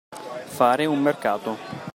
Fare un mercato.